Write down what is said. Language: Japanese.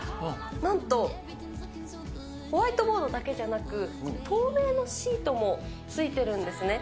なんとホワイトボードだけじゃなく、透明のシートもついてるんですね。